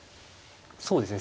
そうですね。